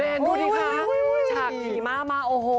เม้นดูดิคะชากนี้มามาโอ้โฮ